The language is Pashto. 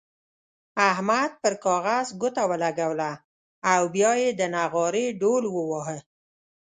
احمد پر کاغذ ګوته ولګوله او بيا يې د نغارې ډوهل وواهه.